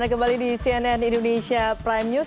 anda kembali di cnn indonesia prime news